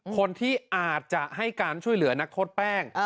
คนที่อาจจะให้การช่วยเหลือนักโทษแป้ง